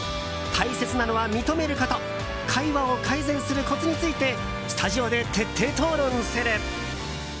大切なのは認めること会話を改善するコツについてスタジオで徹底討論する！